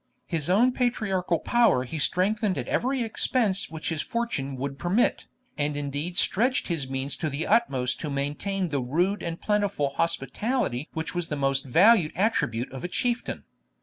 His own patriarchal power he strengthened at every expense which his fortune would permit, and indeed stretched his means to the uttermost to maintain the rude and plentiful hospitality which was the most valued attribute of a chieftain.